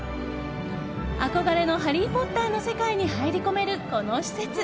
憧れの「ハリー・ポッター」の世界に入り込める、この施設。